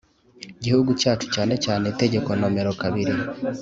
Gihugu cyacu cyane cyane itegeko nomero kabiri